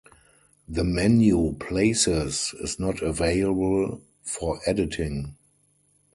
The menu "Places" is not available for editing.